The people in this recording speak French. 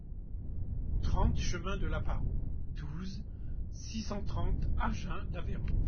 trente chemin de la Parro, douze, six cent trente, Agen-d'Aveyron